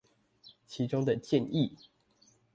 其中的建議